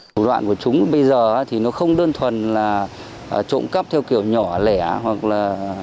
thủ đoạn của chúng bây giờ thì nó không đơn thuần là trộm cắp theo kiểu nhỏ lẻ hoặc là